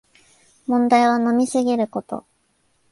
問題は飲みすぎること